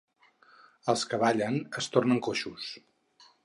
Els que ballen es tornen coixos.